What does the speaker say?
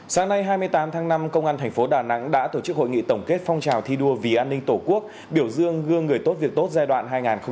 sáng nay hai mươi tám tháng năm công an thành phố đà nẵng đã tổ chức hội nghị tổng kết phong trào thi đua vì an ninh tổ quốc biểu dương gương người tốt việc tốt giai đoạn hai nghìn một mươi chín hai nghìn hai mươi